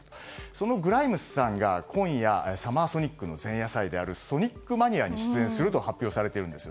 そのグライムスさんが今夜、サマーソニックの前夜祭であるソニックマニアに出演すると発表されています。